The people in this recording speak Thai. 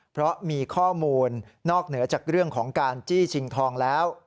เพราะมีข้อมูลนอกเหนือจากเรื่องของการจี้ชิงทองแล้ว